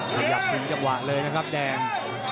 ขยับหนึ่งจังหวะเลยนะครับแดง